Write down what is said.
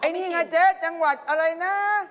ไอ้นี่นะเจ๊จังหวัดอะไรนะ